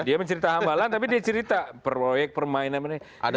dia mencerita hambalang tapi dia cerita proyek permainan benda benda